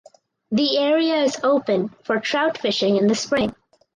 The area is open for Trout fishing in the spring.